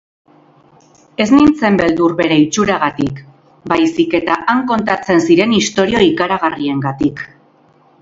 Ez nintzen beldur bere itxuragatik, baizik eta han kontatzen ziren istorio ikaragarriengatik.